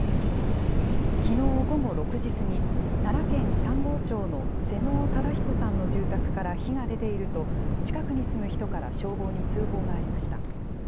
きのう午後６時過ぎ、奈良県三郷町の妹尾忠彦さんの住宅から火が出ていると、近くに住む人から消防に通報がありました。